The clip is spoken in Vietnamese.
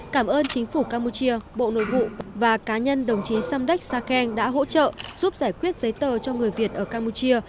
cảm ơn chính phủ campuchia bộ nội vụ và cá nhân đồng chí samdek sakeng đã hỗ trợ giúp giải quyết giấy tờ cho người việt ở campuchia